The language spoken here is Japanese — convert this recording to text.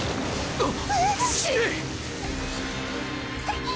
あっ！